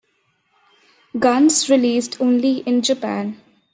Guns released only in Japan.